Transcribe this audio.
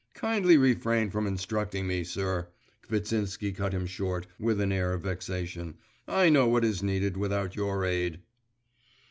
…' 'Kindly refrain from instructing me, sir,' Kvitsinsky cut him short, with an air of vexation; 'I know what is needed without your aid.